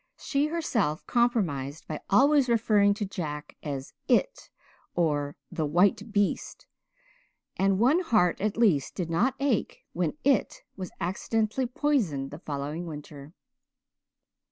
She herself compromised by always referring to Jack as "it" or "the white beast," and one heart at least did not ache when "it" was accidentally poisoned the following winter.